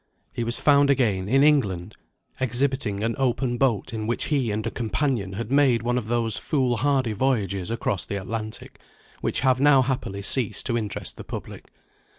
He was found again, in England, exhibiting an open boat in which he and a companion had made one of those foolhardy voyages across the Atlantic, which have now happily ceased to interest the public.